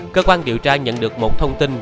cơ quan điều tra nhận được một thông tin